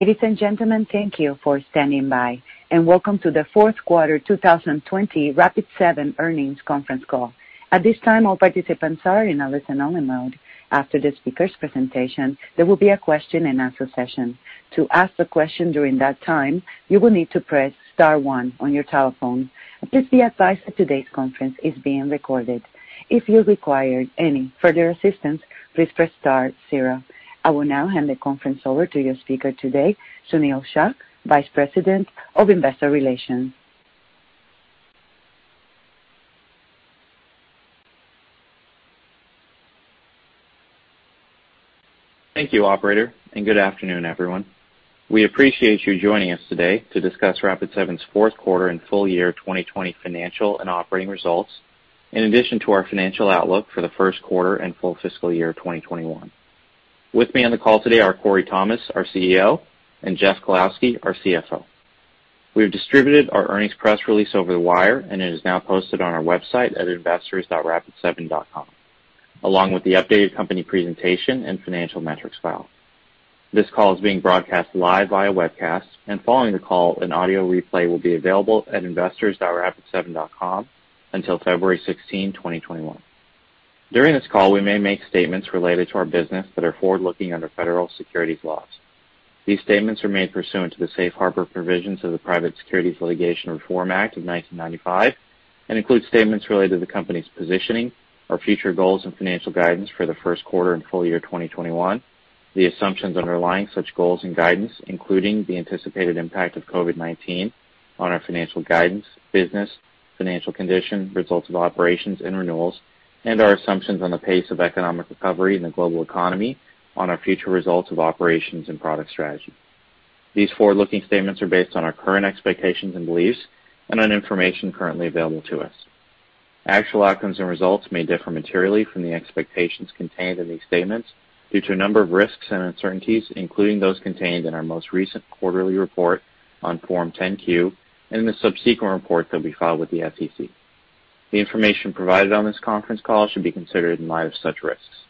Ladies and gentlemen thankyou for standing by and welcome to the fourth quarter 2020 Rapid7 earnings conference call. At this time all participants are in listen only mode after this presentation there will be a question and answer session. To ask a question during this time, you will need to press star one on your telephone. Please be advised that today's conference call is being recorded. If you require any further assistance please press star zero. I will now hand the conference over to your speaker today, Sunil Shah, Vice President of Investor Relations. Thank you, operator, and good afternoon, everyone. We appreciate you joining us today to discuss Rapid7's fourth quarter and full year 2020 financial and operating results, in addition to our financial outlook for the first quarter and full fiscal year 2021. With me on the call today are Corey Thomas, our CEO, and Jeff Kalowski, our CFO. We have distributed our earnings press release over the wire, and it is now posted on our website at investors.rapid7.com, along with the updated company presentation and financial metrics file. This call is being broadcast live via webcast, and following the call, an audio replay will be available at investors.rapid7.com until February 16, 2021. During this call, we may make statements related to our business that are forward-looking under federal securities laws. These statements are made pursuant to the safe harbor provisions of the Private Securities Litigation Reform Act of 1995 and include statements related to the company's positioning, our future goals and financial guidance for the first quarter and full year 2021, the assumptions underlying such goals and guidance, including the anticipated impact of COVID-19 on our financial guidance, business, financial condition, results of operations and renewals, and our assumptions on the pace of economic recovery in the global economy on our future results of operations and product strategy. These forward-looking statements are based on our current expectations and beliefs and on information currently available to us. Actual outcomes and results may differ materially from the expectations contained in these statements due to a number of risks and uncertainties, including those contained in our most recent quarterly report on Form 10-Q and in the subsequent report that we filed with the SEC. The information provided on this conference call should be considered in light of such risks.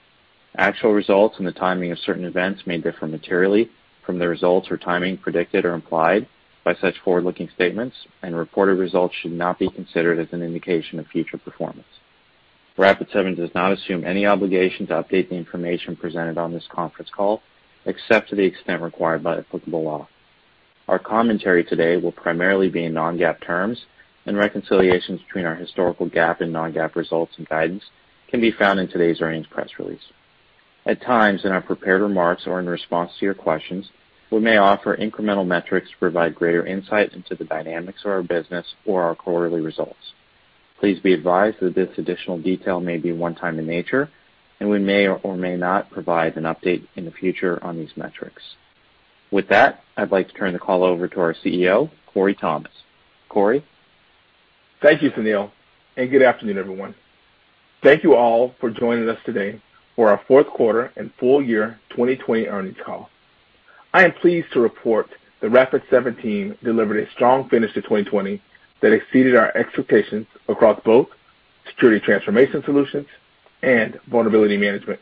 Actual results and the timing of certain events may differ materially from the results or timing predicted or implied by such forward-looking statements, and reported results should not be considered as an indication of future performance. Rapid7 does not assume any obligation to update the information presented on this conference call, except to the extent required by applicable law. Our commentary today will primarily be in non-GAAP terms, and reconciliations between our historical GAAP and non-GAAP results and guidance can be found in today's earnings press release. At times, in our prepared remarks or in response to your questions, we may offer incremental metrics to provide greater insight into the dynamics of our business or our quarterly results. Please be advised that this additional detail may be one-time in nature, and we may or may not provide an update in the future on these metrics. With that, I'd like to turn the call over to our CEO, Corey Thomas. Corey? Thank you, Sunil. Good afternoon, everyone. Thank you all for joining us today for our fourth quarter and full year 2020 earnings call. I am pleased to report that Rapid7 delivered a strong finish to 2020 that exceeded our expectations across both security transformation solutions and vulnerability management.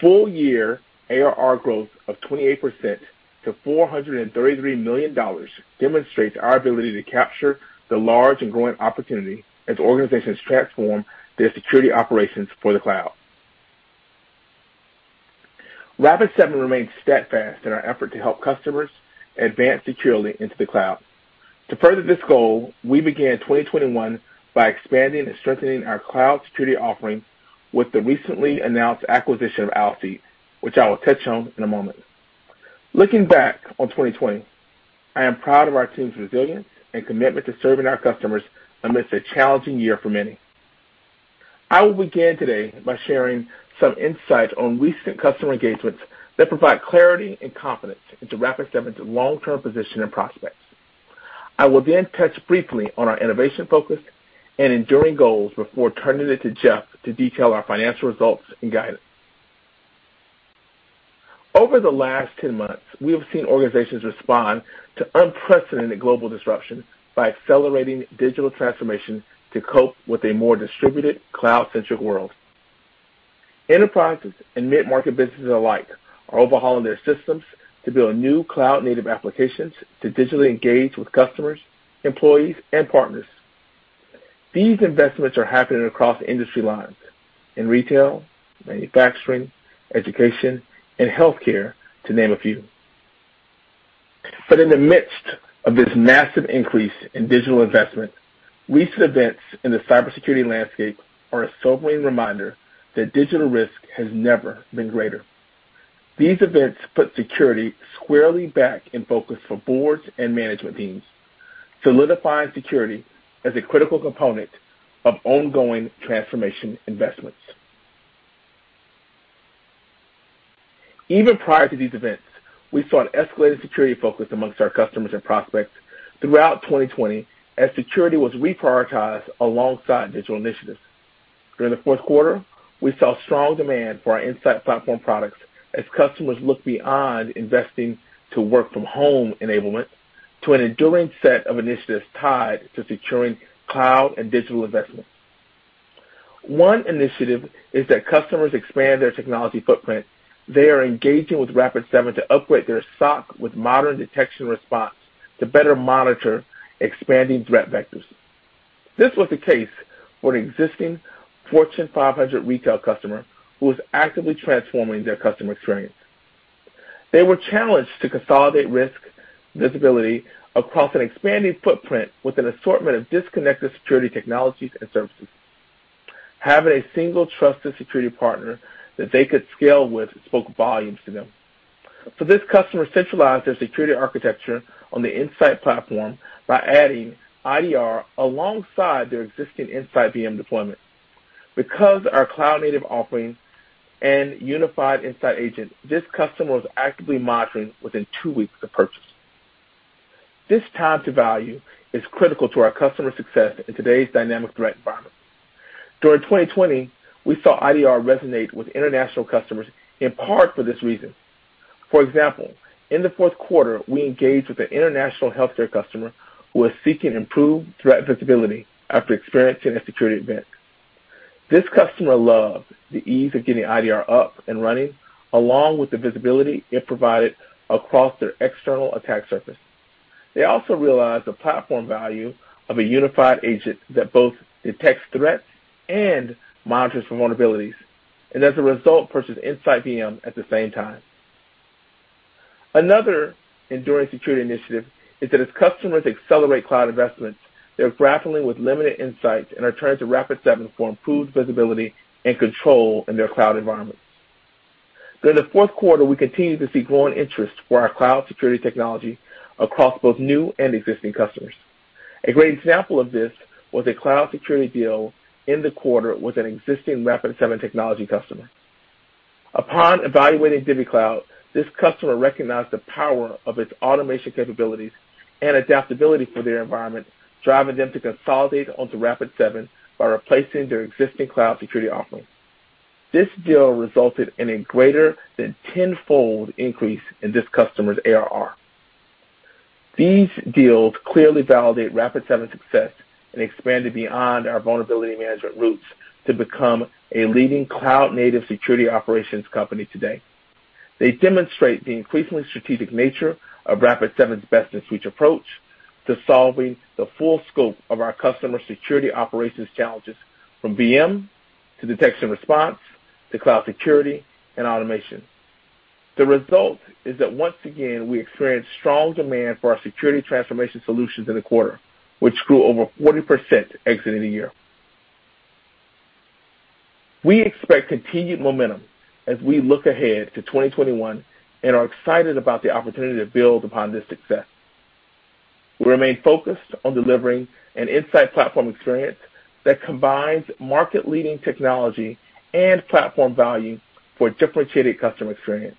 Full year ARR growth of 28% to $433 million demonstrates our ability to capture the large and growing opportunity as organizations transform their security operations for the cloud. Rapid7 remains steadfast in our effort to help customers advance securely into the cloud. To further this goal, we began 2021 by expanding and strengthening our cloud security offering with the recently announced acquisition of Alcide, which I will touch on in a moment. Looking back on 2020, I am proud of our team's resilience and commitment to serving our customers amidst a challenging year for many. I will begin today by sharing some insights on recent customer engagements that provide clarity and confidence into Rapid7's long-term position and prospects. I will then touch briefly on our innovation focus and enduring goals before turning it to Jeff to detail our financial results and guidance. Over the last 10 months, we have seen organizations respond to unprecedented global disruption by accelerating digital transformation to cope with a more distributed, cloud-centric world. Enterprises and mid-market businesses alike are overhauling their systems to build new cloud-native applications to digitally engage with customers, employees, and partners. These investments are happening across industry lines in retail, manufacturing, education, and healthcare, to name a few. In the midst of this massive increase in digital investment, recent events in the cyber security landscape are a sobering reminder that digital risk has never been greater. These events put security squarely back in focus for boards and management teams, solidifying security as a critical component of ongoing transformation investments. Even prior to these events, we saw an escalated security focus amongst our customers and prospects throughout 2020 as security was reprioritized alongside digital initiatives. During the fourth quarter, we saw strong demand for our Insight Platform products as customers looked beyond investing to work-from-home enablement to an enduring set of initiatives tied to securing cloud and digital investment. One initiative is that customers expand their technology footprint. They are engaging with Rapid7 to upgrade their stack with modern detection response to better monitor expanding threat vectors. This was the case for an existing Fortune 500 retail customer who was actively transforming their customer experience. They were challenged to consolidate risk visibility across an expanding footprint with an assortment of disconnected security technologies and services. Having a single trusted security partner that they could scale with spoke volumes to them. This customer centralized their security architecture on the Insight Platform by adding IDR alongside their existing InsightVM deployment. Because our cloud-native offerings and unified Insight Agent, this customer was actively monitoring within two weeks of purchase. This time to value is critical to our customer success in today's dynamic threat environment. During 2020, we saw IDR resonate with international customers, in part for this reason. For example, in the fourth quarter, we engaged with an international healthcare customer who was seeking improved threat visibility after experiencing a security event. This customer loved the ease of getting IDR up and running, along with the visibility it provided across their external attack surface. They also realized the platform value of a unified agent that both detects threats and monitors for vulnerabilities, and as a result, purchased InsightVM at the same time. Another enduring security initiative is that as customers accelerate cloud investments, they're grappling with limited insights and are turning to Rapid7 for improved visibility and control in their cloud environments. During the fourth quarter, we continued to see growing interest for our cloud security technology across both new and existing customers. A great example of this was a cloud security deal in the quarter with an existing Rapid7 technology customer. Upon evaluating DivvyCloud, this customer recognized the power of its automation capabilities and adaptability for their environment, driving them to consolidate onto Rapid7 by replacing their existing cloud security offerings. This deal resulted in a greater than 10-fold increase in this customer's ARR. These deals clearly validate Rapid7's success in expanding beyond our vulnerability management roots to become a leading cloud-native security operations company today. They demonstrate the increasingly strategic nature of Rapid7's best in suite approach to solving the full scope of our customers' security operations challenges, from VM, to detection response, to cloud security, and automation. The result is that once again, we experienced strong demand for our security transformation solutions in the quarter, which grew over 40% exiting the year. We expect continued momentum as we look ahead to 2021 and are excited about the opportunity to build upon this success. We remain focused on delivering an Insight Platform experience that combines market-leading technology and platform value for a differentiated customer experience.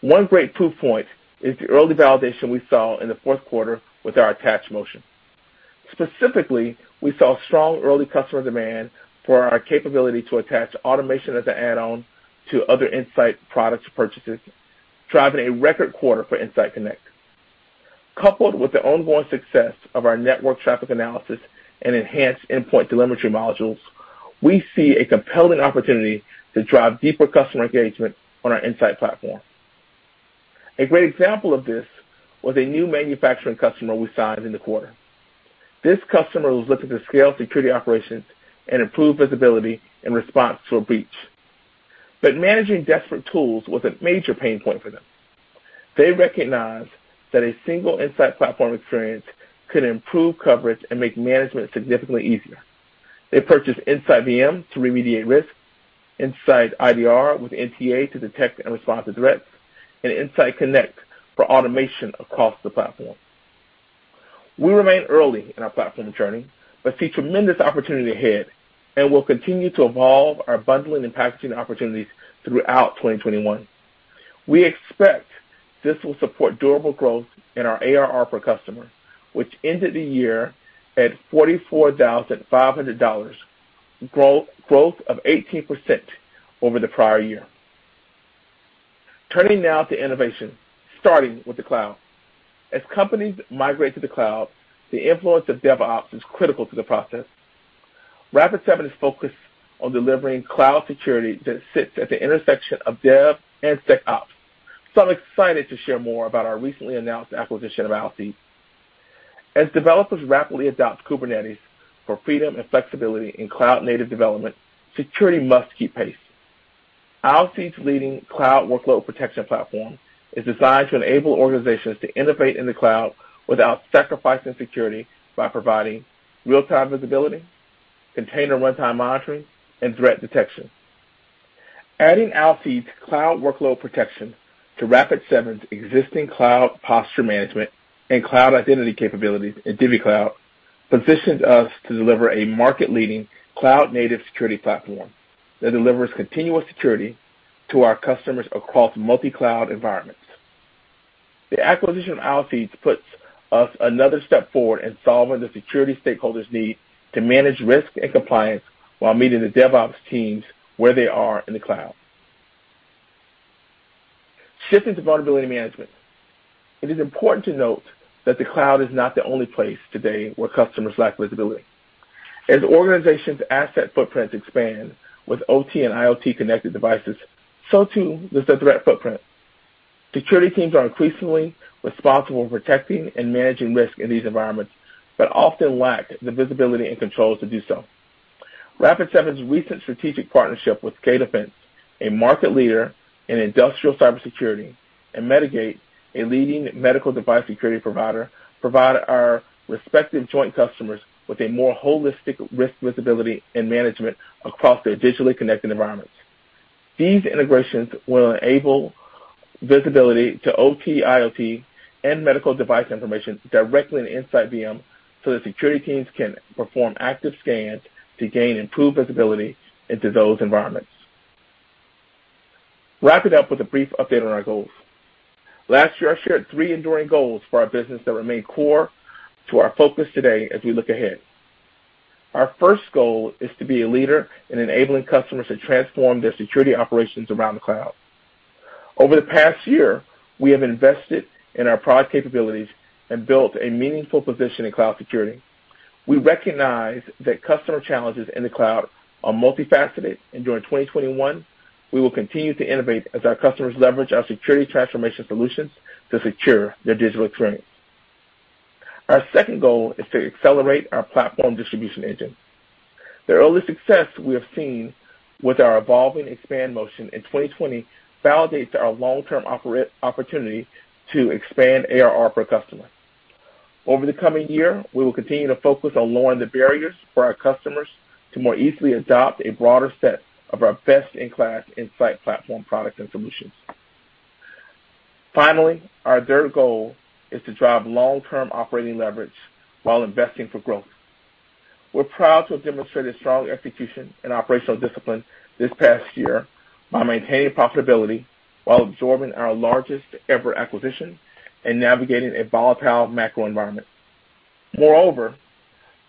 One great proof point is the early validation we saw in the fourth quarter with our attach motion. Specifically, we saw strong early customer demand for our capability to attach automation as an add-on to other Insight products purchases, driving a record quarter for InsightConnect. Coupled with the ongoing success of our network traffic analysis and enhanced endpoint telemetry modules, we see a compelling opportunity to drive deeper customer engagement on our Insight Platform. A great example of this was a new manufacturing customer we signed in the quarter. This customer was looking to scale security operations and improve visibility in response to a breach. Managing disparate tools was a major pain point for them. They recognized that a single Insight Platform experience could improve coverage and make management significantly easier. They purchased InsightVM to remediate risk, InsightIDR with NTA to detect and respond to threats, and InsightConnect for automation across the platform. We remain early in our platform journey, but see tremendous opportunity ahead and will continue to evolve our bundling and packaging opportunities throughout 2021. We expect this will support durable growth in our ARR per customer, which ended the year at $44,500, growth of 18% over the prior year. Turning now to innovation, starting with the cloud. As companies migrate to the cloud, the influence of DevOps is critical to the process. Rapid7 is focused on delivering cloud security that sits at the intersection of dev and SecOps. I'm excited to share more about our recently announced acquisition of Alcide. As developers rapidly adopt Kubernetes for freedom and flexibility in cloud-native development, security must keep pace. Alcide's leading cloud workload protection platform is designed to enable organizations to innovate in the cloud without sacrificing security, by providing real-time visibility, container runtime monitoring, and threat detection. Adding Alcide's cloud workload protection to Rapid7's existing cloud posture management and cloud identity capabilities in DivvyCloud positions us to deliver a market-leading cloud-native security platform that delivers continuous security to our customers across multi-cloud environments. The acquisition of Alcide puts us another step forward in solving the security stakeholders' need to manage risk and compliance while meeting the DevOps teams where they are in the cloud. Shifting to vulnerability management. It is important to note that the cloud is not the only place today where customers lack visibility. As organizations' asset footprints expand with OT and IoT connected devices, so too does the threat footprint. Security teams are increasingly responsible for protecting and managing risk in these environments, but often lack the visibility and controls to do so. Rapid7's recent strategic partnership with SCADAfence, a market leader in industrial cybersecurity, and Medigate, a leading medical device security provider, provide our respective joint customers with a more holistic risk visibility and management across their digitally connected environments. These integrations will enable visibility to OT, IoT, and medical device information directly in InsightVM so that security teams can perform active scans to gain improved visibility into those environments. Wrapping up with a brief update on our goals. Last year, I shared three enduring goals for our business that remain core to our focus today as we look ahead. Our first goal is to be a leader in enabling customers to transform their security operations around the cloud. Over the past year, we have invested in our product capabilities and built a meaningful position in cloud security. We recognize that customer challenges in the cloud are multifaceted, and during 2021, we will continue to innovate as our customers leverage our security transformation solutions to secure their digital experience. Our second goal is to accelerate our platform distribution engine. The early success we have seen with our evolving expand motion in 2020 validates our long-term opportunity to expand ARR per customer. Over the coming year, we will continue to focus on lowering the barriers for our customers to more easily adopt a broader set of our best-in-class Insight Platform products and solutions. Finally, our third goal is to drive long-term operating leverage while investing for growth. We're proud to have demonstrated strong execution and operational discipline this past year by maintaining profitability while absorbing our largest ever acquisition and navigating a volatile macro environment. Moreover,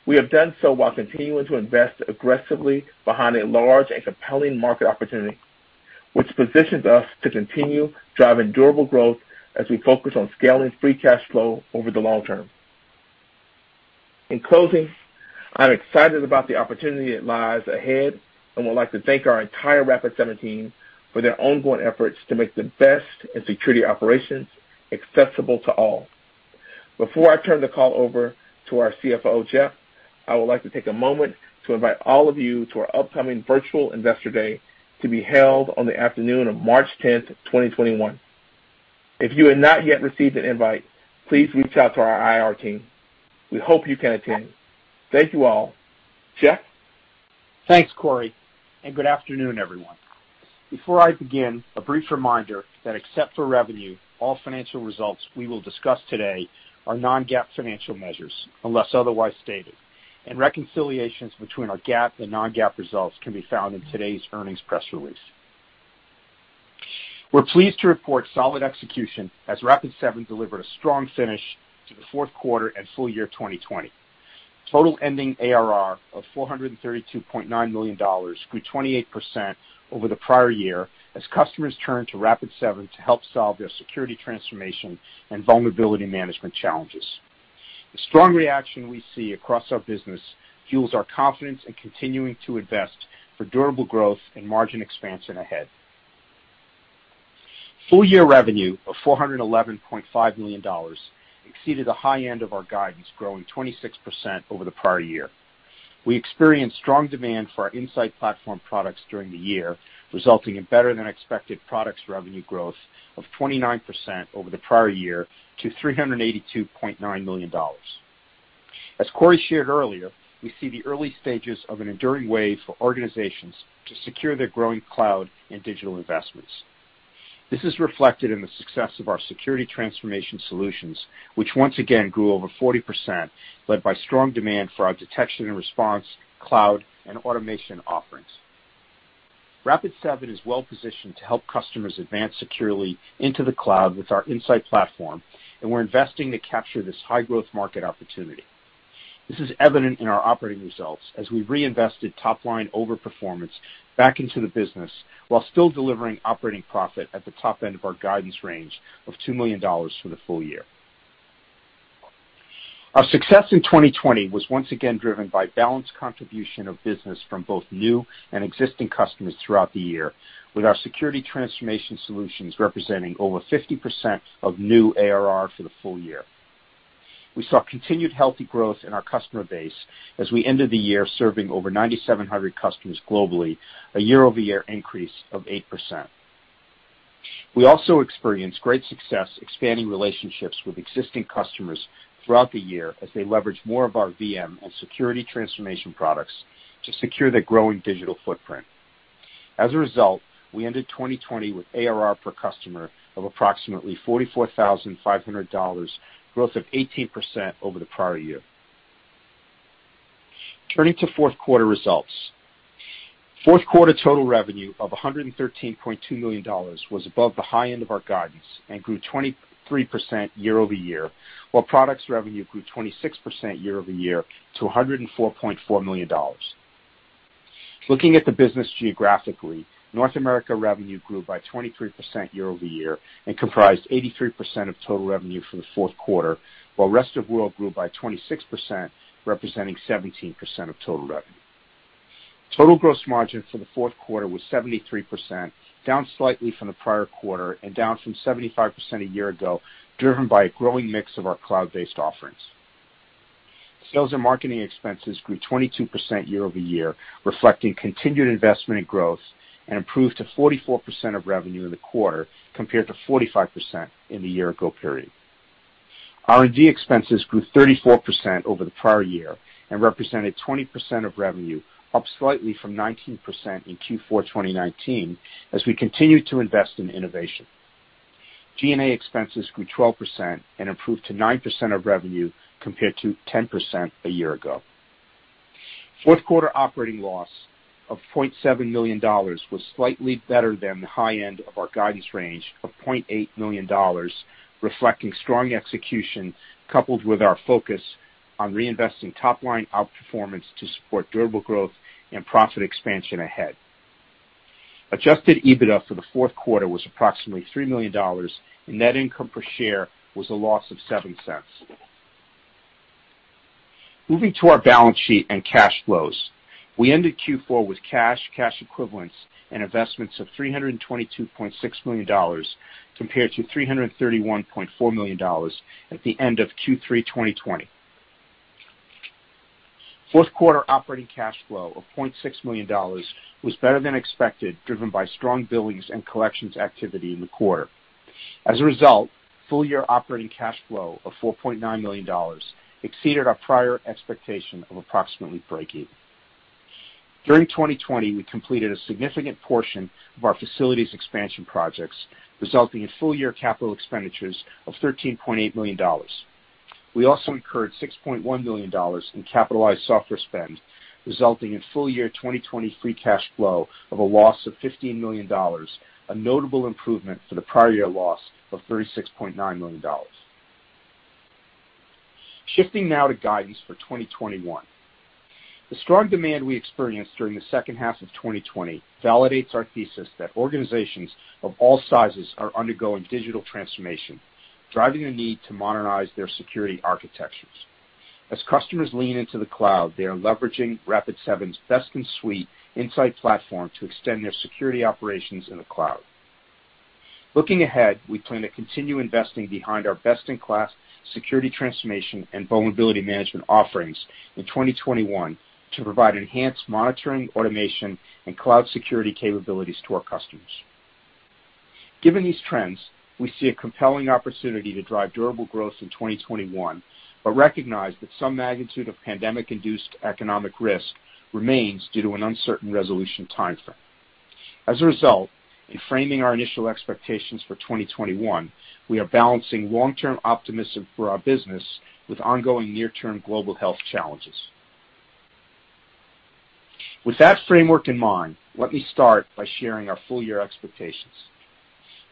we have done so while continuing to invest aggressively behind a large and compelling market opportunity, which positions us to continue driving durable growth as we focus on scaling free cash flow over the long term. In closing, I'm excited about the opportunity that lies ahead and would like to thank our entire Rapid7 team for their ongoing efforts to make the best in security operations accessible to all. Before I turn the call over to our CFO, Jeff, I would like to take a moment to invite all of you to our upcoming virtual investor day to be held on the afternoon of March 10th, 2021. If you have not yet received an invite, please reach out to our IR team. We hope you can attend. Thank you all. Jeff? Thanks, Corey. Good afternoon, everyone. Before I begin, a brief reminder that except for revenue, all financial results we will discuss today are non-GAAP financial measures, unless otherwise stated, and reconciliations between our GAAP and non-GAAP results can be found in today's earnings press release. We're pleased to report solid execution as Rapid7 delivered a strong finish to the fourth quarter and full year 2020. Total ending ARR of $432.9 million grew 28% over the prior year as customers turned to Rapid7 to help solve their security transformation and vulnerability management challenges. The strong reaction we see across our business fuels our confidence in continuing to invest for durable growth and margin expansion ahead. Full year revenue of $411.5 million exceeded the high end of our guidance, growing 26% over the prior year. We experienced strong demand for our Insight Platform products during the year, resulting in better than expected products revenue growth of 29% over the prior year to $382.9 million. As Corey shared earlier, we see the early stages of an enduring wave for organizations to secure their growing cloud and digital investments. This is reflected in the success of our security transformation solutions, which once again grew over 40%, led by strong demand for our detection and response, cloud, and automation offerings. Rapid7 is well-positioned to help customers advance securely into the cloud with our Insight Platform, and we're investing to capture this high-growth market opportunity. This is evident in our operating results as we reinvested top-line overperformance back into the business while still delivering operating profit at the top end of our guidance range of $2 million for the full year. Our success in 2020 was once again driven by balanced contribution of business from both new and existing customers throughout the year, with our security transformation solutions representing over 50% of new ARR for the full year. We saw continued healthy growth in our customer base as we ended the year serving over 9,700 customers globally, a year-over-year increase of 8%. We also experienced great success expanding relationships with existing customers throughout the year as they leveraged more of our VM and security transformation products to secure their growing digital footprint. As a result, we ended 2020 with ARR per customer of approximately $44,500, growth of 18% over the prior year. Turning to fourth quarter results. Fourth quarter total revenue of $113.2 million was above the high end of our guidance and grew 23% year-over-year, while products revenue grew 26% year-over-year to $104.4 million. Looking at the business geographically, North America revenue grew by 23% year-over-year and comprised 83% of total revenue for the fourth quarter, while rest of world grew by 26%, representing 17% of total revenue. Total gross margin for the fourth quarter was 73%, down slightly from the prior quarter and down from 75% a year ago, driven by a growing mix of our cloud-based offerings. Sales and marketing expenses grew 22% year-over-year, reflecting continued investment in growth and improved to 44% of revenue in the quarter, compared to 45% in the year-ago period. R&D expenses grew 34% over the prior year and represented 20% of revenue, up slightly from 19% in Q4 2019, as we continued to invest in innovation. G&A expenses grew 12% and improved to 9% of revenue compared to 10% a year ago. Fourth quarter operating loss of $0.7 million was slightly better than the high end of our guidance range of $0.8 million, reflecting strong execution coupled with our focus on reinvesting top-line outperformance to support durable growth and profit expansion ahead. Adjusted EBITDA for the fourth quarter was approximately $3 million, and net income per share was a loss of $0.07. Moving to our balance sheet and cash flows. We ended Q4 with cash equivalents, and investments of $322.6 million compared to $331.4 million at the end of Q3 2020. Fourth quarter operating cash flow of $0.6 million was better than expected, driven by strong billings and collections activity in the quarter. As a result, full-year operating cash flow of $4.9 million exceeded our prior expectation of approximately breakeven. During 2020, we completed a significant portion of our facilities expansion projects, resulting in full-year capital expenditures of $13.8 million. We also incurred $6.1 million in capitalized software spend, resulting in full-year 2020 free cash flow of a loss of $15 million, a notable improvement for the prior year loss of $36.9 million. Shifting now to guidance for 2021. The strong demand we experienced during the second half of 2020 validates our thesis that organizations of all sizes are undergoing digital transformation, driving a need to modernize their security architectures. As customers lean into the cloud, they are leveraging Rapid7's best-in-suite Insight Platform to extend their security operations in the cloud. Looking ahead, we plan to continue investing behind our best-in-class security transformation and vulnerability management offerings in 2021 to provide enhanced monitoring, automation, and cloud security capabilities to our customers. Given these trends, we see a compelling opportunity to drive durable growth in 2021, but recognize that some magnitude of pandemic-induced economic risk remains due to an uncertain resolution timeframe. As a result, in framing our initial expectations for 2021, we are balancing long-term optimism for our business with ongoing near-term global health challenges. With that framework in mind, let me start by sharing our full-year expectations.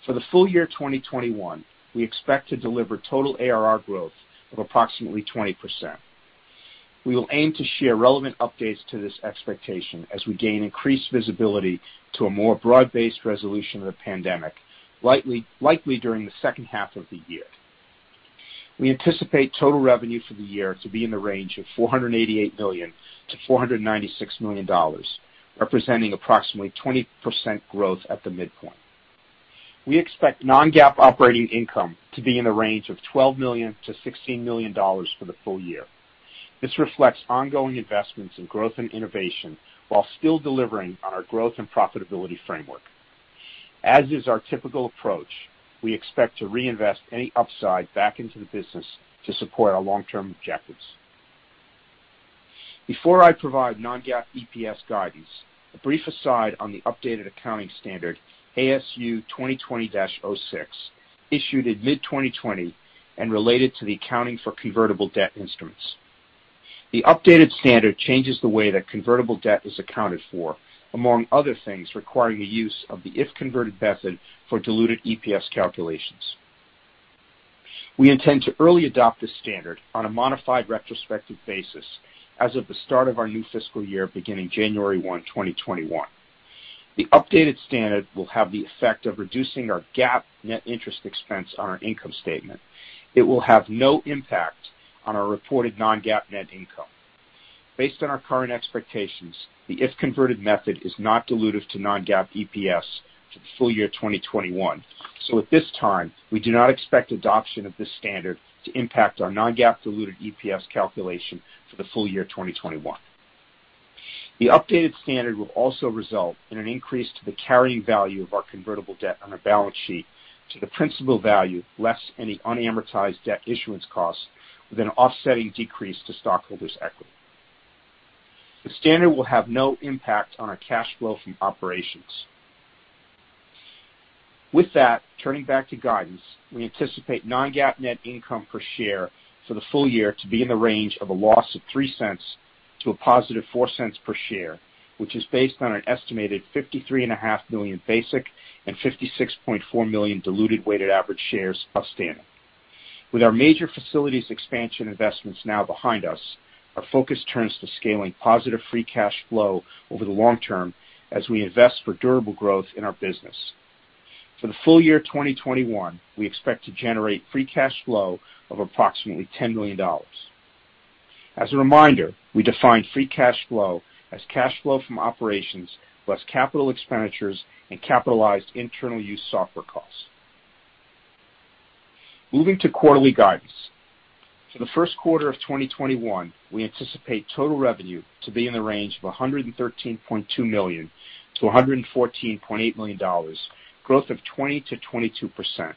For the full year 2021, we expect to deliver total ARR growth of approximately 20%. We will aim to share relevant updates to this expectation as we gain increased visibility to a more broad-based resolution of the pandemic, likely during the second half of the year. We anticipate total revenue for the year to be in the range of $488 million-$496 million, representing approximately 20% growth at the midpoint. We expect non-GAAP operating income to be in the range of $12 million-$16 million for the full year. This reflects ongoing investments in growth and innovation while still delivering on our growth and profitability framework. As is our typical approach, we expect to reinvest any upside back into the business to support our long-term objectives. Before I provide non-GAAP EPS guidance, a brief aside on the updated accounting standard, ASU 2020-06, issued in mid-2020 and related to the accounting for convertible debt instruments. The updated standard changes the way that convertible debt is accounted for, among other things, requiring the use of the if converted method for diluted EPS calculations. We intend to early adopt this standard on a modified retrospective basis as of the start of our new fiscal year, beginning January 1, 2021. The updated standard will have the effect of reducing our GAAP net interest expense on our income statement. It will have no impact on our reported non-GAAP net income. Based on our current expectations, the if converted method is not dilutive to non-GAAP EPS for the full year 2021. At this time, we do not expect adoption of this standard to impact our non-GAAP diluted EPS calculation for the full year 2021. The updated standard will also result in an increase to the carrying value of our convertible debt on our balance sheet to the principal value less any unamortized debt issuance costs, with an offsetting decrease to stockholders' equity. The standard will have no impact on our cash flow from operations. With that, turning back to guidance, we anticipate non-GAAP net income per share for the full year to be in the range of a loss of $0.03 to a positive $0.04 per share, which is based on an estimated 53.5 million basic and 56.4 million diluted weighted average shares outstanding. With our major facilities expansion investments now behind us, our focus turns to scaling positive free cash flow over the long term as we invest for durable growth in our business. For the full year 2021, we expect to generate free cash flow of approximately $10 million. As a reminder, we define free cash flow as cash flow from operations plus capital expenditures and capitalized internal use software costs. Moving to quarterly guidance. For the first quarter of 2021, we anticipate total revenue to be in the range of $113.2 million-$114.8 million, growth of 20%-22%.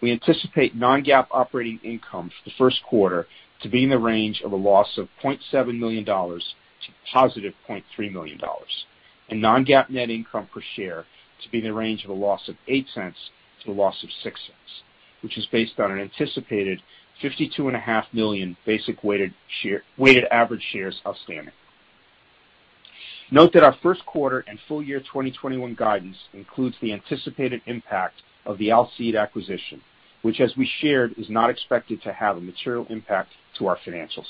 We anticipate non-GAAP operating income for the first quarter to be in the range of a loss of $0.7 million to positive $0.3 million, and non-GAAP net income per share to be in the range of a loss of $0.08 to a loss of $0.06, which is based on an anticipated 52.5 million basic weighted average shares outstanding. Note that our first quarter and full year 2021 guidance includes the anticipated impact of the Alcide acquisition, which, as we shared, is not expected to have a material impact to our financials.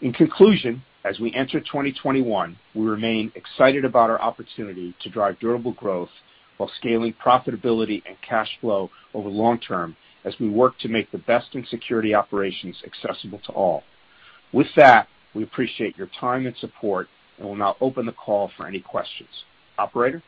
In conclusion, as we enter 2021, we remain excited about our opportunity to drive durable growth while scaling profitability and cash flow over the long term as we work to make the best in security operations accessible to all. With that, we appreciate your time and support and will now open the call for any questions. Operator?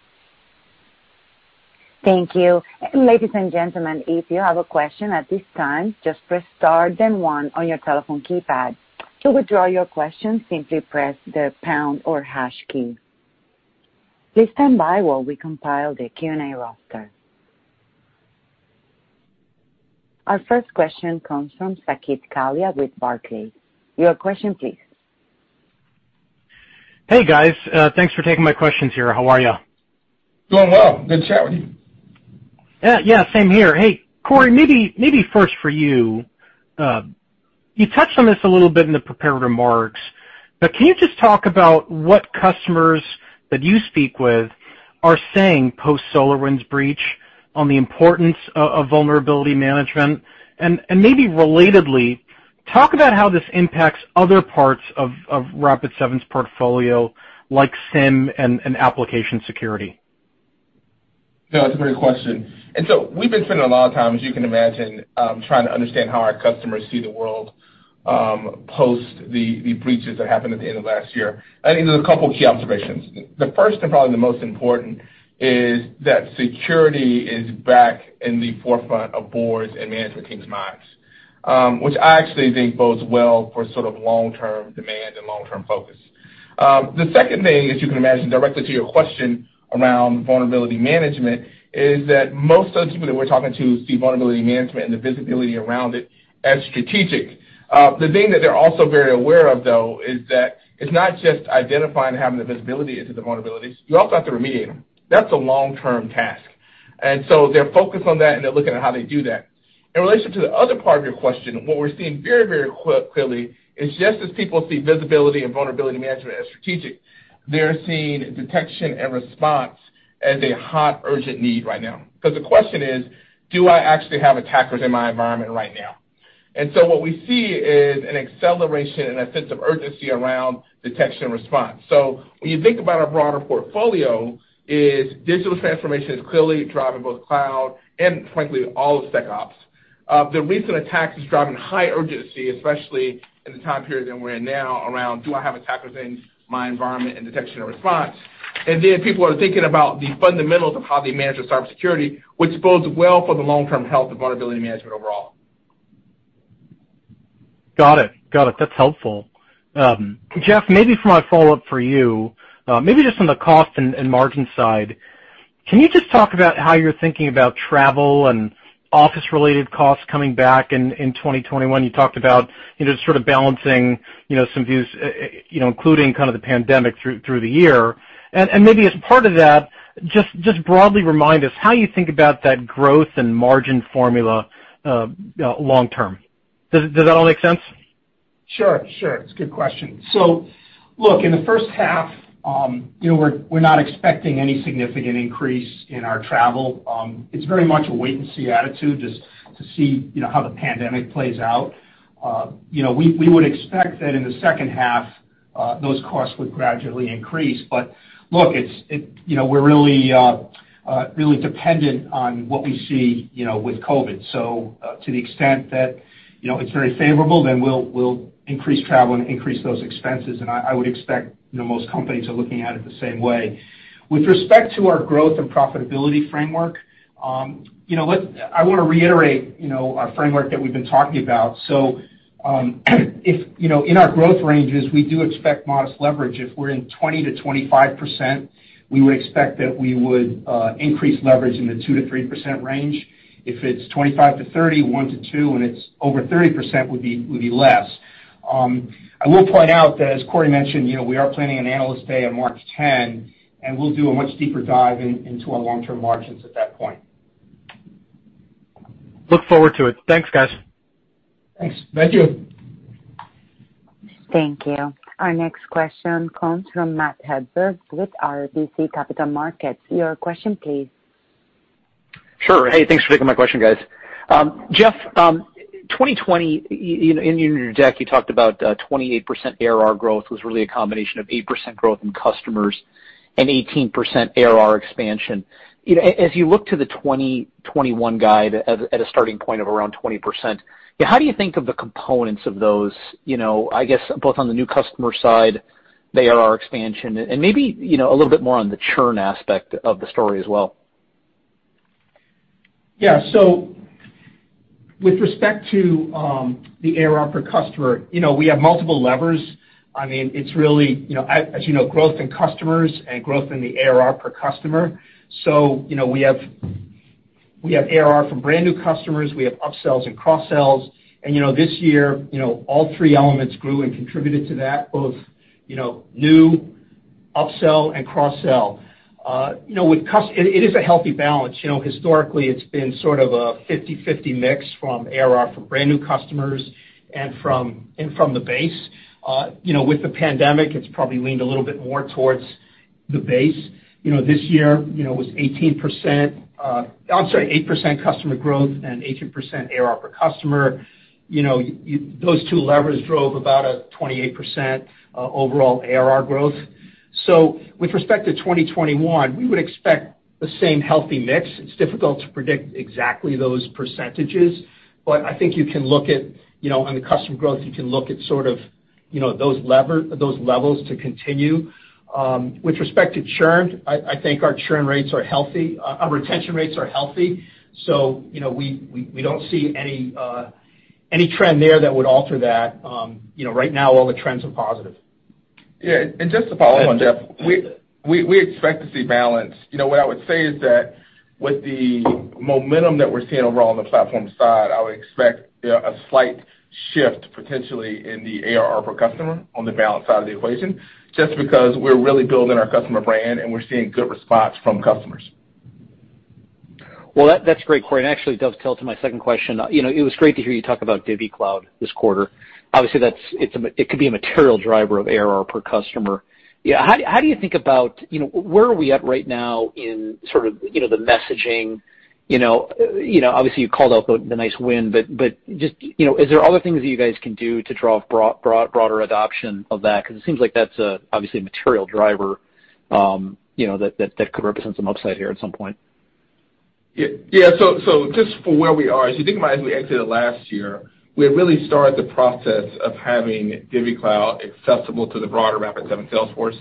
Thank you. Ladies and gentlemen, if you have a question at this time, just press star then one on your telephone keypad. To withdraw your question, simply press the pound or hash key. Please stand by while we compile the Q&A roster. Our first question comes from Saket Kalia with Barclays. Your question please. Hey, guys. Thanks for taking my questions here. How are you? Doing well. Good to chat with you. Yeah, same here. Hey, Corey, maybe first for you. You touched on this a little bit in the prepared remarks, but can you just talk about what customers that you speak with are saying post-SolarWinds breach on the importance of vulnerability management? Maybe relatedly, talk about how this impacts other parts of Rapid7's portfolio, like SIEM and application security. No, that's a great question. We've been spending a lot of time, as you can imagine, trying to understand how our customers see the world post the breaches that happened at the end of last year. There's a couple key observations. The first, and probably the most important, is that security is back in the forefront of boards and management teams' minds, which I actually think bodes well for long-term demand and long-term focus. The second thing, as you can imagine, directly to your question around vulnerability management, is that most of the people that we're talking to see vulnerability management and the visibility around it as strategic. The thing that they're also very aware of, though, is that it's not just identifying and having the visibility into the vulnerabilities. You also have to remediate them. That's a long-term task. They're focused on that, and they're looking at how they do that. In relation to the other part of your question, what we're seeing very clearly is just as people see visibility and vulnerability management as strategic, they're seeing detection and response as a hot, urgent need right now. Because the question is, do I actually have attackers in my environment right now? What we see is an acceleration and a sense of urgency around detection and response. When you think about our broader portfolio is digital transformation is clearly driving both cloud and frankly, all of SecOps. The recent attacks is driving high urgency, especially in the time period that we're in now around, do I have attackers in my environment and detection and response? People are thinking about the fundamentals of how they manage their cybersecurity, which bodes well for the long-term health of vulnerability management overall. Got it. That's helpful. Jeff, maybe for my follow-up for you, maybe just on the cost and margin side, can you just talk about how you're thinking about travel and office-related costs coming back in 2021? You talked about just sort of balancing some views, including kind of the pandemic through the year. Maybe as part of that, just broadly remind us how you think about that growth and margin formula long term. Does that all make sense? Sure. It's a good question. Look, in the first half, we're not expecting any significant increase in our travel. It's very much a wait-and-see attitude just to see how the pandemic plays out. We would expect that in the second half, those costs would gradually increase. Look, we're really dependent on what we see with COVID. To the extent that it's very favorable, we'll increase travel and increase those expenses. I would expect most companies are looking at it the same way. With respect to our growth and profitability framework, I want to reiterate our framework that we've been talking about. In our growth ranges, we do expect modest leverage. If we're in 20%-25%, we would expect that we would increase leverage in the 2%-3% range. If it's 25%-30%, 1%-2%, and it's over 30% would be less. I will point out that as Corey mentioned, we are planning an Analyst Day on March 10, and we'll do a much deeper dive into our long-term margins at that point. Look forward to it. Thanks, guys. Thanks. Thank you. Thank you. Our next question comes from Matt Hedberg with RBC Capital Markets. Your question please. Sure. Hey, thanks for taking my question, guys. Jeff, 2020, in your deck, you talked about 28% ARR growth was really a combination of 8% growth in customers and 18% ARR expansion. As you look to the 2021 guide at a starting point of around 20%, how do you think of the components of those, I guess both on the new customer side, the ARR expansion, and maybe a little bit more on the churn aspect of the story as well? Yeah. With respect to the ARR per customer, we have multiple levers. As you know, growth in customers and growth in the ARR per customer. We have ARR from brand new customers, we have upsells and cross-sells, and this year, all three elements grew and contributed to that, both new, upsell and cross-sell. It is a healthy balance. Historically, it's been sort of a 50/50 mix from ARR from brand new customers and from the base. With the pandemic, it's probably leaned a little bit more towards the base. This year, it was 8% customer growth and 18% ARR per customer. Those two levers drove about a 28% overall ARR growth. With respect to 2021, we would expect the same healthy mix. It's difficult to predict exactly those percentages, but I think on the customer growth, you can look at those levels to continue. With respect to churn, I think our retention rates are healthy, so we don't see any trend there that would alter that. Right now, all the trends are positive. Yeah. Just to follow up on Jeff, we expect to see balance. What I would say is that with the momentum that we're seeing overall on the platform side, I would expect a slight shift potentially in the ARR per customer on the balance side of the equation, just because we're really building our customer brand and we're seeing good response from customers. That's great, Corey, and actually it does tail to my second question. It was great to hear you talk about DivvyCloud this quarter. It could be a material driver of ARR per customer. Where are we at right now in the messaging? You called out the nice win, but just is there other things that you guys can do to draw broader adoption of that? It seems like that's obviously a material driver that could represent some upside here at some point. Yeah. Just for where we are, as you think about as we exited last year, we had really started the process of having DivvyCloud accessible to the broader Rapid7 sales force.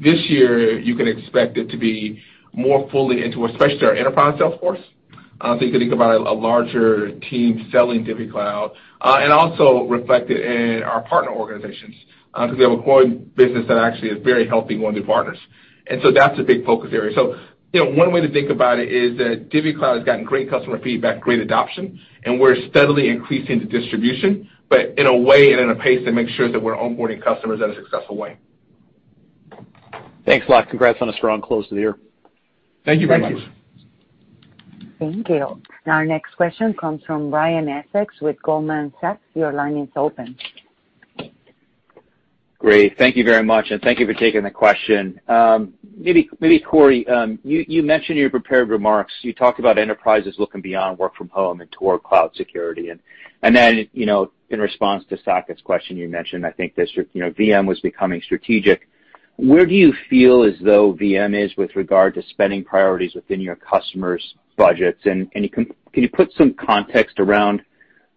This year, you can expect it to be more fully into, especially our enterprise sales force. You can think about a larger team selling DivvyCloud. Also reflected in our partner organizations, because we have a growing business that actually is very healthy growing through partners. So that's a big focus area. One way to think about it is that DivvyCloud has gotten great customer feedback, great adoption, and we're steadily increasing the distribution, but in a way and in a pace that makes sure that we're onboarding customers in a successful way. Thanks a lot. Congrats on a strong close to the year. Thank you very much. Thank you. Thank you. Our next question comes from Brian Essex with Goldman Sachs. Your line is open. Great. Thank you very much, and thank you for taking the question. Maybe Corey, you mentioned in your prepared remarks, you talked about enterprises looking beyond work from home and toward cloud security, and then, in response to Saket's question, you mentioned, I think, that VM was becoming strategic. Where do you feel as though VM is with regard to spending priorities within your customers' budgets? Can you put some context around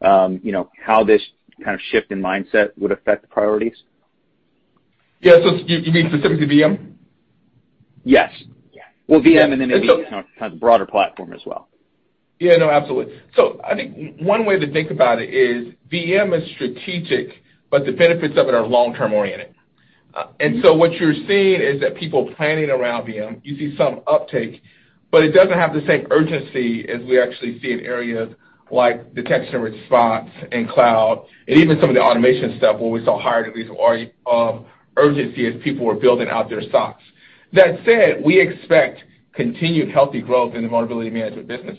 how this kind of shift in mindset would affect the priorities? Yeah. You mean specifically VM? Yes. Well, VM and then maybe kind of the broader platform as well. Yeah, no, absolutely. I think one way to think about it is VM is strategic, but the benefits of it are long-term oriented. What you're seeing is that people planning around VM, you see some uptake, but it doesn't have the same urgency as we actually see in areas like detection and response and cloud, and even some of the automation stuff where we saw higher degrees of urgency as people were building out their SecOps. That said, we expect continued healthy growth in the vulnerability management business.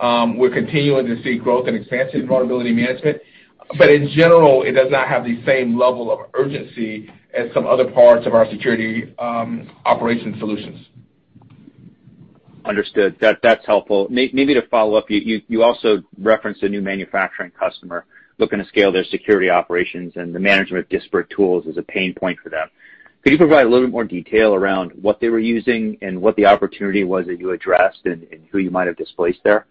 We're continuing to see growth and expansion in vulnerability management. In general, it does not have the same level of urgency as some other parts of our security operations solutions. Understood. That's helpful. Maybe to follow up, you also referenced a new manufacturing customer looking to scale their security operations, and the management of disparate tools is a pain point for them. Could you provide a little bit more detail around what they were using and what the opportunity was that you addressed and who you might have displaced there?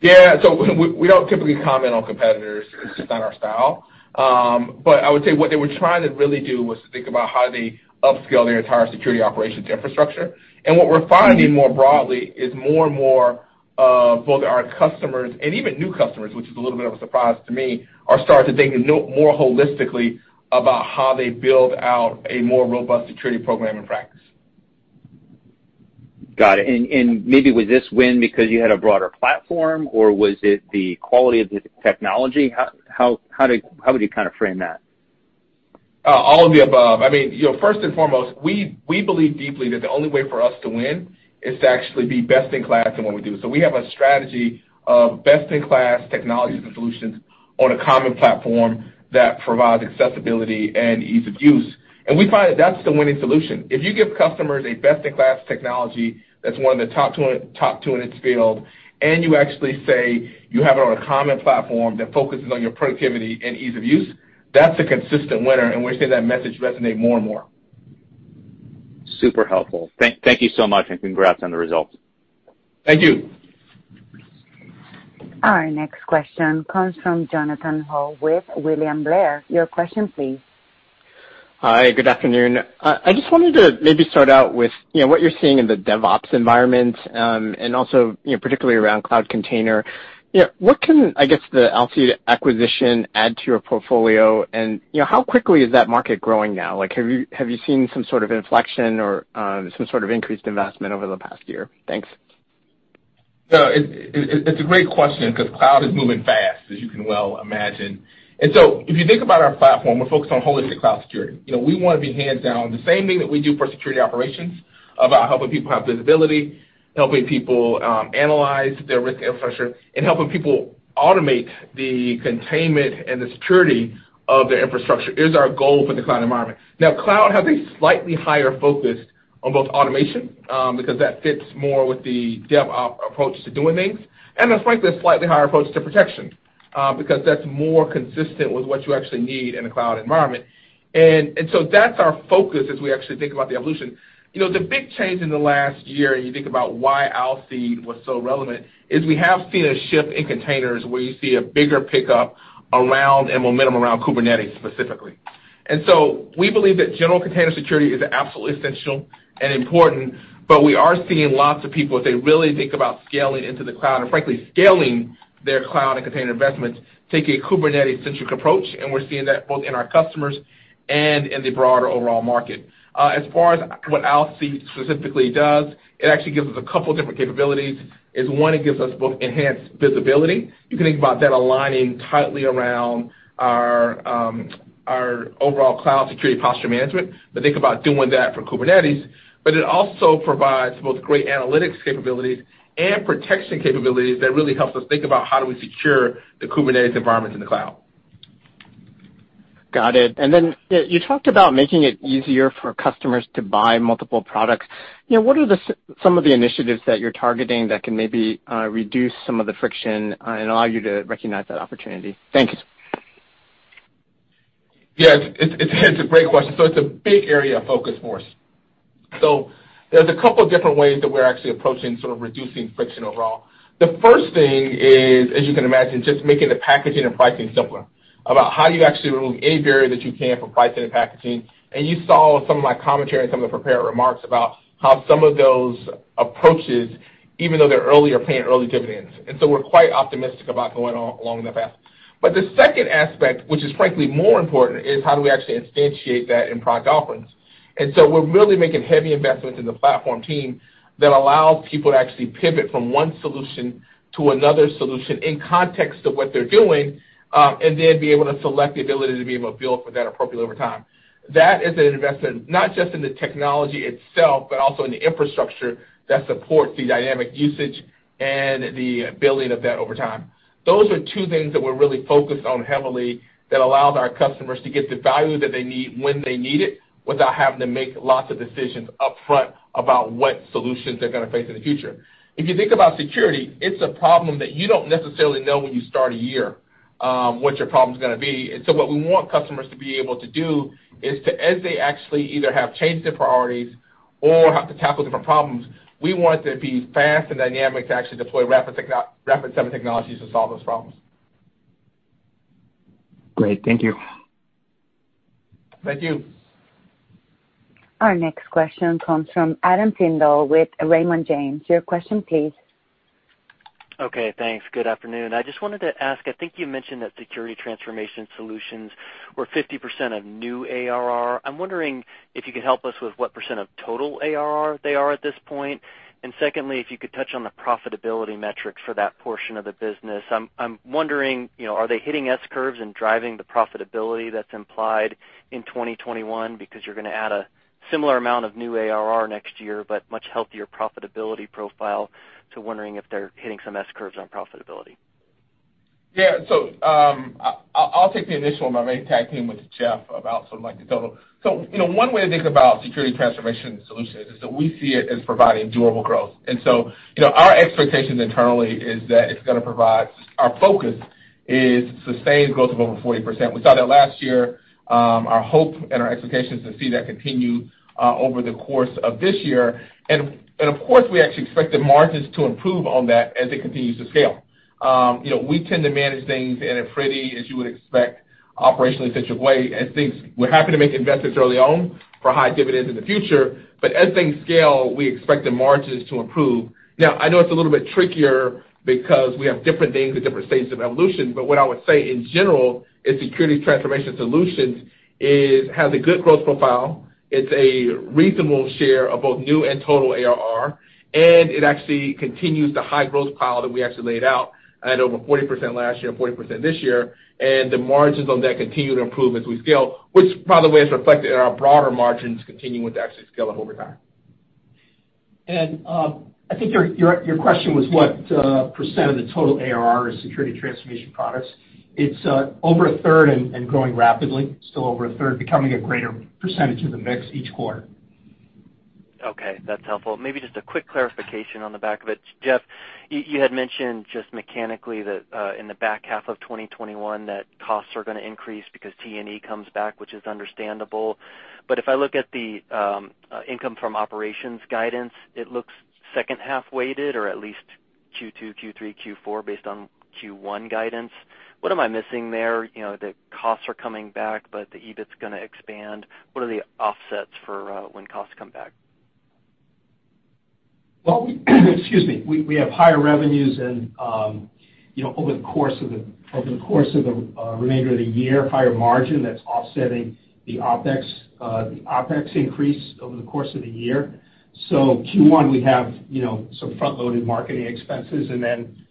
Yeah. We don't typically comment on competitors. It's just not our style. I would say what they were trying to really do was to think about how they upscale their entire security operations infrastructure. What we're finding more broadly is more and more of both our customers and even new customers, which is a little bit of a surprise to me, are starting to think more holistically about how they build out a more robust security program and practice. Got it. Maybe was this win because you had a broader platform, or was it the quality of the technology? How would you kind of frame that? All of the above. First and foremost, we believe deeply that the only way for us to win is to actually be best in class in what we do. We have a strategy of best in class technologies and solutions on a common platform that provides accessibility and ease of use, and we find that that's the winning solution. If you give customers a best in class technology that's one of the top two in its field, and you actually say you have it on a common platform that focuses on your productivity and ease of use, that's a consistent winner, and we're seeing that message resonate more and more. Super helpful. Thank you so much, and congrats on the results. Thank you. Our next question comes from Jonathan Ho with William Blair. Your question please. Hi, good afternoon. I just wanted to maybe start out with what you're seeing in the DevOps environment, and also particularly around cloud container. What can the Alcide acquisition add to your portfolio, and how quickly is that market growing now? Have you seen some sort of inflection or some sort of increased investment over the past year? Thanks. It's a great question because cloud is moving fast, as you can well imagine. If you think about our platform, we're focused on holistic cloud security. We want to be hands down, the same thing that we do for security operations, about helping people have visibility, helping people analyze their risk infrastructure, and helping people automate the containment and the security of their infrastructure is our goal for the cloud environment. Cloud has a slightly higher focus on both automation, because that fits more with the DevOps approach to doing things, and there's frankly, a slightly higher approach to protection, because that's more consistent with what you actually need in a cloud environment. That's our focus as we actually think about the evolution. The big change in the last year, and you think about why Alcide was so relevant, is we have seen a shift in containers where you see a bigger pickup around, and momentum around Kubernetes specifically. We believe that general container security is absolutely essential and important, but we are seeing lots of people, as they really think about scaling into the cloud, and frankly, scaling their cloud and container investments, taking a Kubernetes-centric approach, and we're seeing that both in our customers and in the broader overall market. As far as what Alcide specifically does, it actually gives us a couple different capabilities, is one, it gives us both enhanced visibility. You can think about that aligning tightly around our overall Cloud Security Posture Management, but think about doing that for Kubernetes. It also provides both great analytics capabilities and protection capabilities that really helps us think about how do we secure the Kubernetes environment in the cloud. Got it. You talked about making it easier for customers to buy multiple products. What are some of the initiatives that you're targeting that can maybe reduce some of the friction and allow you to recognize that opportunity? Thank you. Yeah, it's a great question. It's a big area of focus for us. There's a couple of different ways that we're actually approaching sort of reducing friction overall. The first thing is, as you can imagine, just making the packaging and pricing simpler, about how do you actually remove any barrier that you can from pricing and packaging. You saw some of my commentary in some of the prepared remarks about how some of those approaches, even though they're early, are paying early dividends. We're quite optimistic about going along that path. The second aspect, which is frankly more important, is how do we actually instantiate that in product offerings? We're really making heavy investments in the platform team that allows people to actually pivot from one solution to another solution in context of what they're doing, and then be able to select the ability to be able to bill for that appropriately over time. That is an investment not just in the technology itself, but also in the infrastructure that supports the dynamic usage and the billing of that over time. Those are two things that we're really focused on heavily that allows our customers to get the value that they need when they need it, without having to make lots of decisions up front about what solutions they're going to face in the future. If you think about security, it's a problem that you don't necessarily know when you start a year what your problem's going to be. What we want customers to be able to do is to, as they actually either have changed their priorities or have to tackle different problems, we want it to be fast and dynamic to actually deploy Rapid7 technologies to solve those problems. Great. Thank you. Thank you. Our next question comes from Adam Tindle with Raymond James. Your question please. Okay, thanks. Good afternoon. I just wanted to ask, I think you mentioned that security transformation solutions were 50% of new ARR. I'm wondering if you could help us with what percent of total ARR they are at this point. Secondly, if you could touch on the profitability metrics for that portion of the business. I'm wondering, are they hitting S-curves and driving the profitability that's implied in 2021? You're going to add a similar amount of new ARR next year, but much healthier profitability profile. Wondering if they're hitting some S-curves on profitability. Yeah. I'll take the initial one, but may tag team with Jeff about the total. One way to think about security transformation solutions is that we see it as providing durable growth. Our expectations internally is that Our focus is sustained growth of over 40%. We saw that last year. Our hope and our expectation is to see that continue over the course of this year. Of course, we actually expect the margins to improve on that as it continues to scale. We tend to manage things in a pretty, as you would expect, operationally efficient way. We're happy to make investments early on for high dividends in the future, but as things scale, we expect the margins to improve. I know it's a little bit trickier because we have different things at different stages of evolution, but what I would say, in general, is security transformation solutions has a good growth profile. It's a reasonable share of both new and total ARR, and it actually continues the high-growth pile that we actually laid out at over 40% last year and 40% this year. The margins on that continue to improve as we scale, which, by the way, is reflected in our broader margins continuing to actually scale up over time. I think your question was, what percentage of the total ARR is security transformation products? It's over a third and growing rapidly. Still over a third, becoming a greater % of the mix each quarter. Okay, that's helpful. Maybe just a quick clarification on the back of it. Jeff, you had mentioned just mechanically that in the back half of 2021, that costs are going to increase because T&E comes back, which is understandable. If I look at the income from operations guidance, it looks second-half weighted, or at least Q2, Q3, Q4 based on Q1 guidance. What am I missing there? The costs are coming back, but the EBIT's going to expand. What are the offsets for when costs come back? Well, excuse me. We have higher revenues and over the course of the remainder of the year, higher margin that's offsetting the OpEx increase over the course of the year. Q1, we have some front-loaded marketing expenses, and then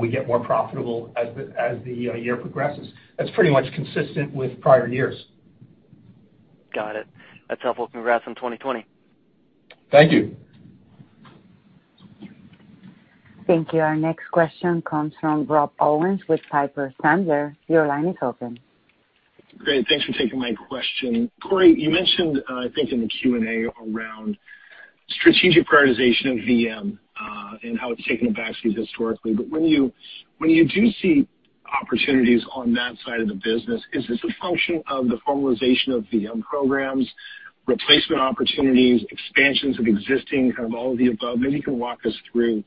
we get more profitable as the year progresses. That's pretty much consistent with prior years. Got it. That's helpful. Congrats on 2020. Thank you. Thank you. Our next question comes from Rob Owens with Piper Sandler. Your line is open. Great. Thanks for taking my question. Corey, you mentioned I think in the Q&A around strategic prioritization of VM and how it's taken a back seat historically. When you do see opportunities on that side of the business, is this a function of the formalization of VM programs, replacement opportunities, expansions of existing, kind of all of the above? Maybe you can walk us through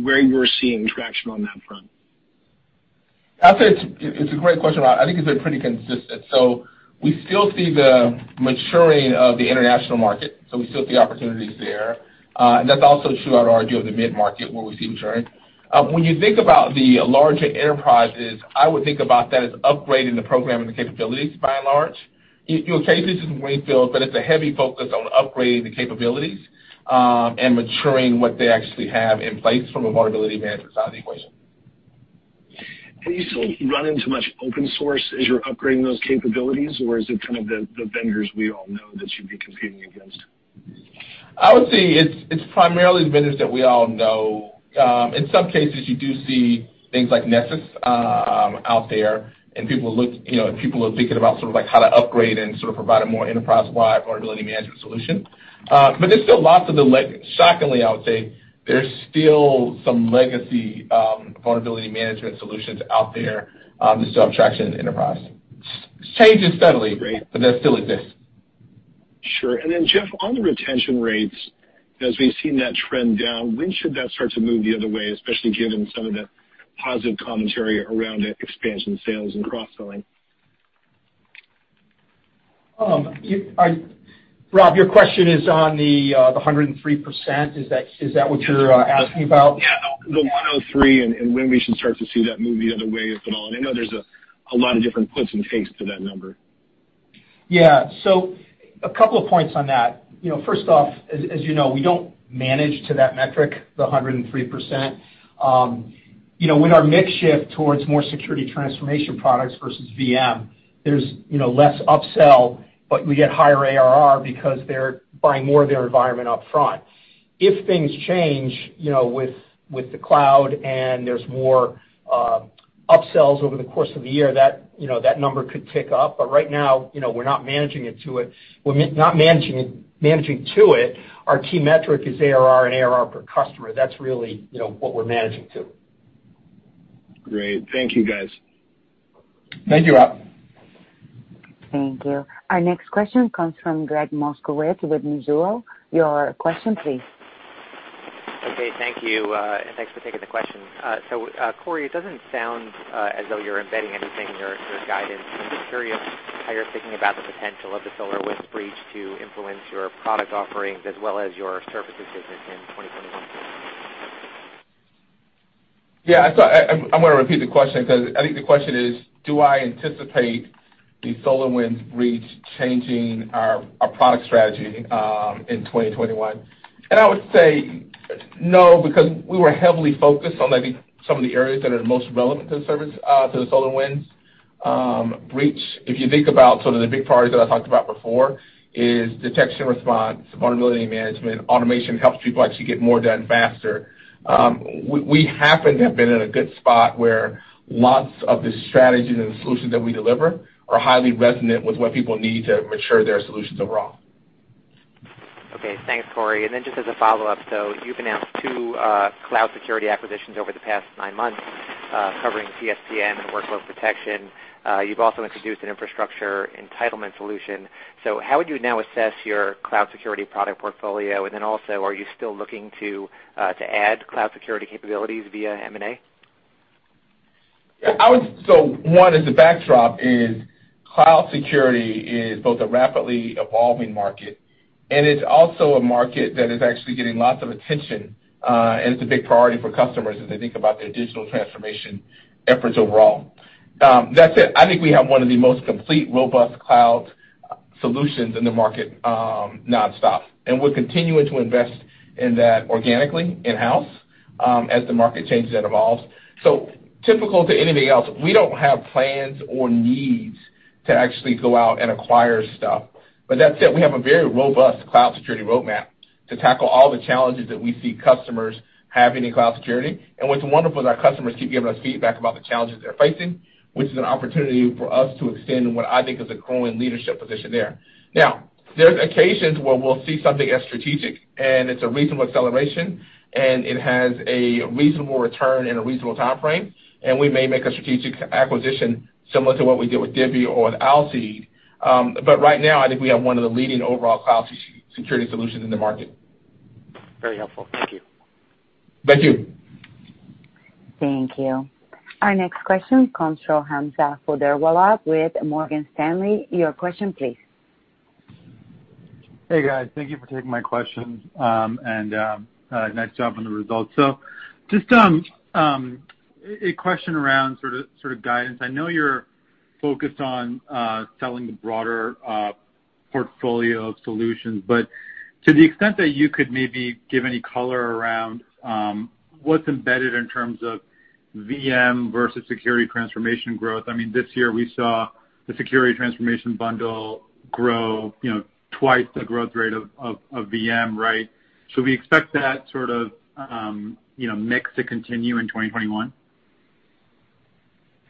where you're seeing traction on that front. I'll say it's a great question, Rob. We still see the maturing of the international market, so we still see opportunities there. That's also true, I'd argue, of the mid-market, where we see maturing. When you think about the larger enterprises, I would think about that as upgrading the program and the capabilities, by and large. You have cases in greenfields, but it's a heavy focus on upgrading the capabilities and maturing what they actually have in place from a vulnerability management side of the equation. Do you still run into much open source as you're upgrading those capabilities, or is it kind of the vendors we all know that you'd be competing against? I would say it's primarily the vendors that we all know. In some cases, you do see things like Nessus out there, and people are thinking about how to upgrade and sort of provide a more enterprise-wide vulnerability management solution. Shockingly, I would say, there's still some legacy vulnerability management solutions out there that still have traction in the enterprise. Great They still exist. Sure. Jeff, on the retention rates, as we've seen that trend down, when should that start to move the other way, especially given some of the positive commentary around expansion sales and cross-selling? Rob, your question is on the 103%? Is that what you're asking about? Yeah, the 103 and when we should start to see that move the other way, if at all. I know there's a lot of different puts and takes to that number. Yeah. A couple of points on that. First off, as you know, we don't manage to that metric, the 103%. With our mix shift towards more security transformation products versus VM, there's less upsell, but we get higher ARR because they're buying more of their environment upfront. If things change with the cloud and there's more upsells over the course of the year, that number could tick up. Right now, we're not managing to it. Our key metric is ARR and ARR per customer. That's really what we're managing to. Great. Thank you, guys. Thank you, Rob. Thank you. Our next question comes from Gregg Moskowitz with Mizuho. Your question, please. Okay, thank you, and thanks for taking the question. Corey, it doesn't sound as though you're embedding anything in your guidance. I'm just curious how you're thinking about the potential of the SolarWinds breach to influence your product offerings as well as your services business in 2021? Yeah. I'm going to repeat the question because I think the question is do I anticipate the SolarWinds breach changing our product strategy in 2021? I would say no, because we were heavily focused on, I think, some of the areas that are most relevant to the SolarWinds breach. If you think about some of the big priorities that I talked about before is detection response, vulnerability management. Automation helps people actually get more done faster. We happen to have been in a good spot where lots of the strategies and the solutions that we deliver are highly resonant with what people need to mature their solutions overall. Okay, thanks, Corey. Just as a follow-up, you've announced two cloud security acquisitions over the past nine months, covering CSPM and workload protection. You've also introduced an infrastructure entitlement solution. How would you now assess your cloud security product portfolio? Are you still looking to add cloud security capabilities via M&A? One as a backdrop is cloud security is both a rapidly evolving market. It's also a market that is actually getting lots of attention, and it's a big priority for customers as they think about their digital transformation efforts overall. That said, I think we have one of the most complete, robust cloud solutions in the market, nonstop. We're continuing to invest in that organically, in-house, as the market changes and evolves. Typical to anything else, we don't have plans or needs to actually go out and acquire stuff. That said, we have a very robust cloud security roadmap to tackle all the challenges that we see customers having in cloud security. What's wonderful is our customers keep giving us feedback about the challenges they're facing, which is an opportunity for us to extend what I think is a growing leadership position there. There's occasions where we'll see something as strategic, and it's a reasonable acceleration, and it has a reasonable return and a reasonable timeframe, and we may make a strategic acquisition similar to what we did with DivvyCloud or with Alcide. Right now, I think we have one of the leading overall cloud security solutions in the market. Very helpful. Thank you. Thank you. Thank you. Our next question comes from Hamza Fodderwala with Morgan Stanley. Your question, please. Hey, guys. Thank you for taking my question. Nice job on the results. Just a question around sort of guidance. I know you're focused on selling the broader portfolio of solutions, but to the extent that you could maybe give any color around what's embedded in terms of VM versus security transformation growth. I mean, this year we saw the security transformation bundle grow twice the growth rate of VM, right? Should we expect that sort of mix to continue in 2021?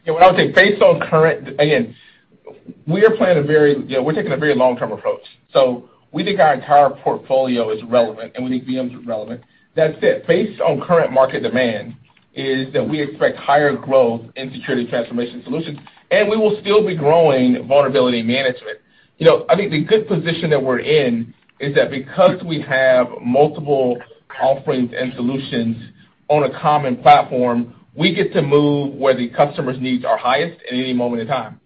What I would say, again, we're taking a very long-term approach, so we think our entire portfolio is relevant, and we think VMs are relevant. That said, based on current market demand, is that we expect higher growth in security transformation solutions, and we will still be growing vulnerability management. I think the good position that we're in is that because we have multiple offerings and solutions on a common platform, we get to move where the customer's needs are highest at any moment in time.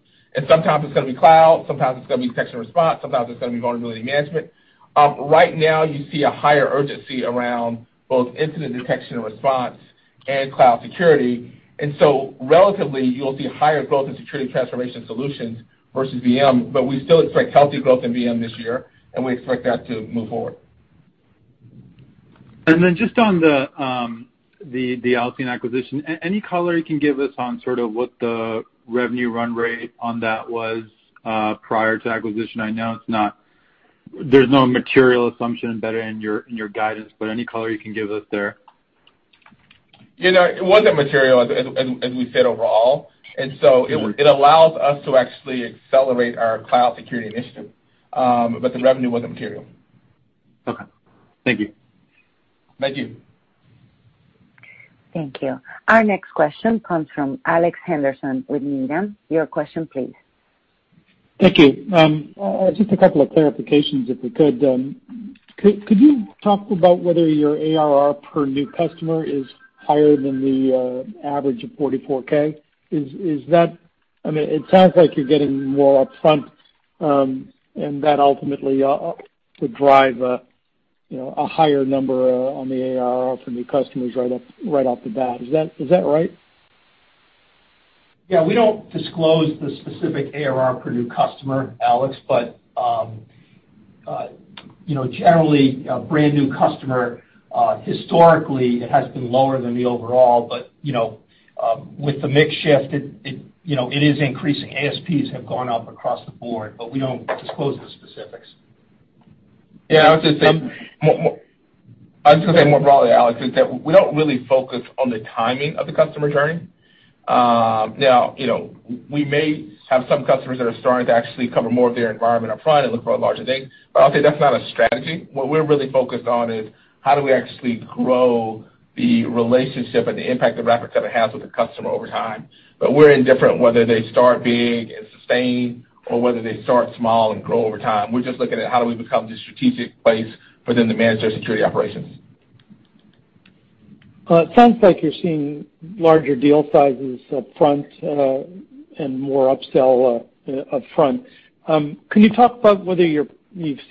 Sometimes it's going to be cloud, sometimes it's going to be detection and response, sometimes it's going to be vulnerability management. Right now, you see a higher urgency around both incident detection and response and cloud security. Relatively, you'll see higher growth in security transformation solutions versus VM, but we still expect healthy growth in VM this year, and we expect that to move forward. Just on the Alcide acquisition, any color you can give us on sort of what the revenue run rate on that was prior to acquisition? I know there's no material assumption embedded in your guidance, but any color you can give us there? It wasn't material, as we said, overall. It allows us to actually accelerate our cloud security initiative. The revenue wasn't material. Okay. Thank you. Thank you. Thank you. Our next question comes from Alex Henderson with Needham. Your question, please. Thank you. Just a couple of clarifications, if we could. Could you talk about whether your ARR per new customer is higher than the average of $44,000? It sounds like you're getting more upfront, and that ultimately would drive a higher number on the ARR from new customers right off the bat. Is that right? Yeah. We don't disclose the specific ARR per new customer, Alex. Generally, a brand-new customer, historically, it has been lower than the overall. With the mix shift, it is increasing. ASPs have gone up across the board, but we don't disclose the specifics. Yeah. I would just say more broadly, Alex, is that we don't really focus on the timing of the customer journey. Now, we may have some customers that are starting to actually cover more of their environment upfront and look for a larger thing, but I'll say that's not a strategy. What we're really focused on is how do we actually grow the relationship and the impact that Rapid7 has with the customer over time. But we're indifferent whether they start big and sustain or whether they start small and grow over time. We're just looking at how do we become the strategic place within the managed security operations. It sounds like you're seeing larger deal sizes upfront and more upsell upfront. Can you talk about whether you've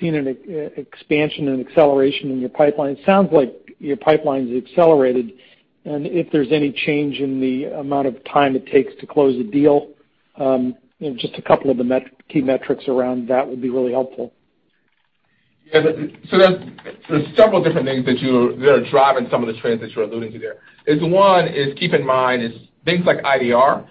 seen an expansion and acceleration in your pipeline? It sounds like your pipeline's accelerated, and if there's any change in the amount of time it takes to close a deal, just a couple of the key metrics around that would be really helpful. Yeah. There's several different things that are driving some of the trends that you're alluding to there, is one, is keep in mind is things like IDR.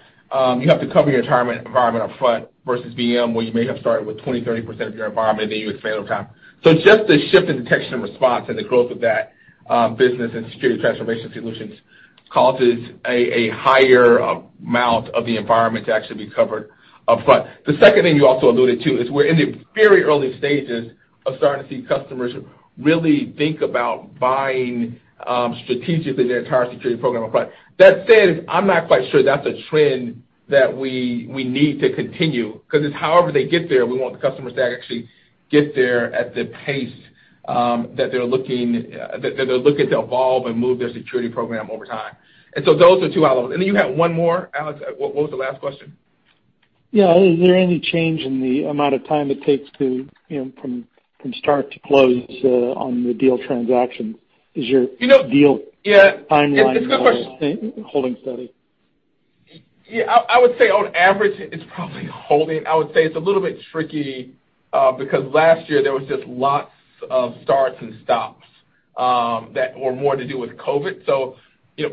You have to cover your entire environment upfront versus VM, where you may have started with 20, 30% of your environment, and then you expand over time. Just the shift in detection and response and the growth of that business and security transformation solutions causes a higher amount of the environment to actually be covered upfront. The second thing you also alluded to is we're in the very early stages of starting to see customers really think about buying strategically their entire security program upfront. That said, I'm not quite sure that's a trend that we need to continue because it's however they get there, we want the customers to actually get there at the pace that they're looking to evolve and move their security program over time. Those are two, Alex. Then you had one more, Alex. What was the last question? Yeah. Is there any change in the amount of time it takes from start to close on the deal transaction? Is your deal timeline holding steady? Yeah. I would say on average, it's probably holding. I would say it's a little bit tricky, because last year there was just lots of starts and stops that were more to do with COVID.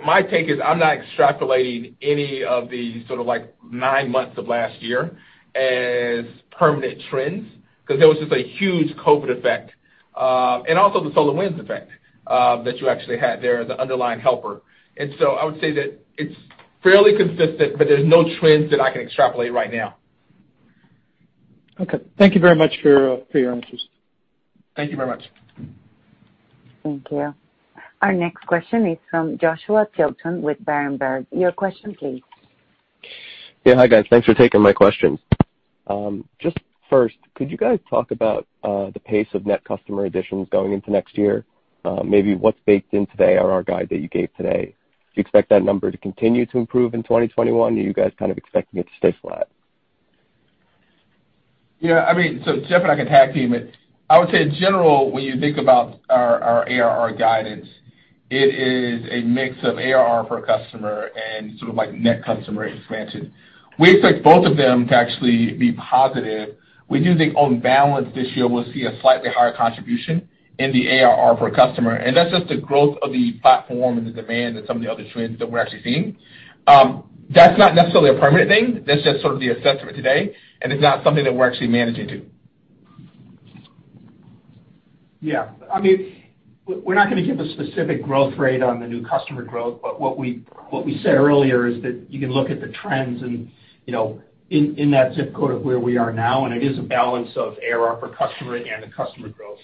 My take is I'm not extrapolating any of the nine months of last year as permanent trends, because there was just a huge COVID effect, and also the SolarWinds effect that you actually had there as an underlying helper. I would say that it's fairly consistent, but there's no trends that I can extrapolate right now. Okay. Thank you very much for your answers. Thank you very much. Thank you. Our next question is from Joshua Tilton with Berenberg. Your question, please. Yeah. Hi, guys. Thanks for taking my questions. Just first, could you guys talk about the pace of net customer additions going into next year? Maybe what's baked in today are our guide that you gave today. Do you expect that number to continue to improve in 2021, or are you guys kind of expecting it to stay flat? Yeah, Jeff and I can tag team it. I would say in general, when you think about our ARR guidance, it is a mix of ARR per customer and net customer expansion. We expect both of them to actually be positive. We do think on balance this year, we'll see a slightly higher contribution in the ARR per customer, and that's just the growth of the platform and the demand and some of the other trends that we're actually seeing. That's not necessarily a permanent thing. That's just sort of the assessment today, and it's not something that we're actually managing to. Yeah. We're not going to give a specific growth rate on the new customer growth, but what we said earlier is that you can look at the trends in that ZIP code of where we are now, and it is a balance of ARR per customer and the customer growth.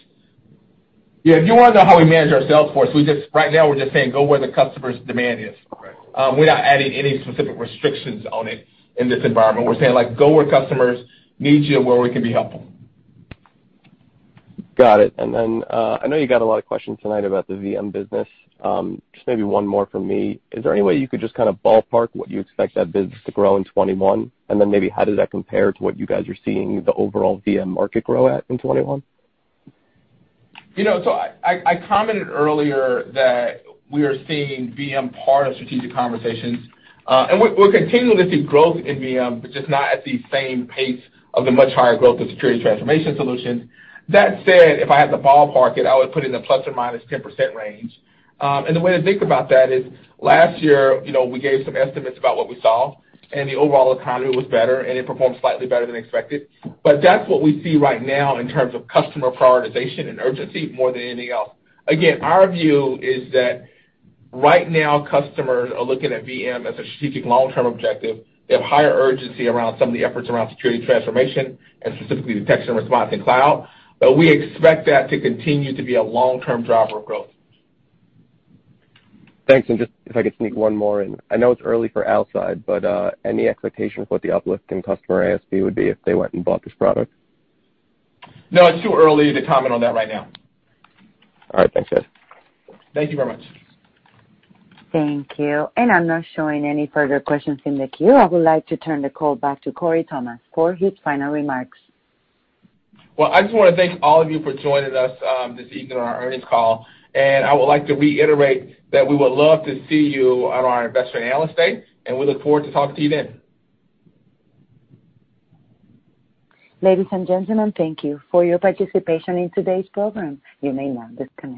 Yeah, if you want to know how we manage our sales force, right now we're just saying go where the customer's demand is. Correct. We're not adding any specific restrictions on it in this environment. We're saying, "Go where customers need you, where we can be helpful. Got it. I know you got a lot of questions tonight about the VM business. Just maybe one more from me. Is there any way you could just kind of ballpark what you expect that business to grow in 2021? Maybe how does that compare to what you guys are seeing the overall VM market grow at in 2021? I commented earlier that we are seeing VM part of strategic conversations. We're continuing to see growth in VM, but just not at the same pace of the much higher growth of security transformation solutions. That said, if I had to ballpark it, I would put it in the ±10% range. The way to think about that is last year, we gave some estimates about what we saw, and the overall economy was better, and it performed slightly better than expected. That's what we see right now in terms of customer prioritization and urgency more than anything else. Again, our view is that right now customers are looking at VM as a strategic long-term objective. They have higher urgency around some of the efforts around security transformation and specifically detection response in cloud. We expect that to continue to be a long-term driver of growth. Thanks. Just if I could sneak one more in. I know it's early for upside, but any expectation for what the uplift in customer ASP would be if they went and bought this product? No, it's too early to comment on that right now. All right. Thanks, guys. Thank you very much. Thank you. I'm not showing any further questions in the queue. I would like to turn the call back to Corey Thomas for his final remarks. Well, I just want to thank all of you for joining us this evening on our earnings call, and I would like to reiterate that we would love to see you at our Investor Analyst Day, and we look forward to talking to you then. Ladies and gentlemen, thank you for your participation in today's program. You may now disconnect.